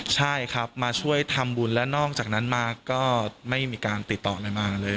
ใช่ครับมาช่วยทำบุญและนอกจากนั้นมาก็ไม่มีการติดต่ออะไรมาเลย